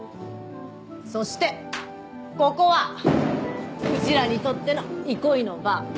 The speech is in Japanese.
そしてここはうちらにとっての憩いの場。